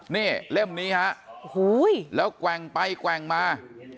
นี่เล่มนี้ฮะแล้วกว่างไปกว่างมา